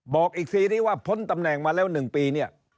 บอกอีกทีนี้ว่าพ้นตำแหน่งมาแล้ว๑ปีเนี่ย